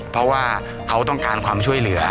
เพราะว่าเขาต้องการความช่วยเหลือ